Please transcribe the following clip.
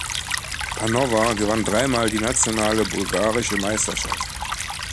Panova gewann dreimal die nationale bulgarische Meisterschaft.